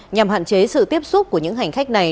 nhằm hạn chế sự tiếp xúc của những hành khách này